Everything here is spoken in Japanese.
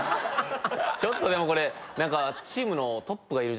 ちょっとでもこれ。